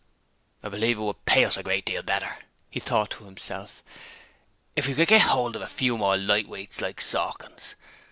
'I believe it would pay us a great deal better,' he thought to himself, 'if we could get hold of a few more lightweights like Sawkins.'